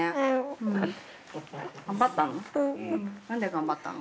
◆頑張ったの？